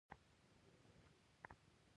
په حبیبیه لیسه کې د ښوونکي په توګه.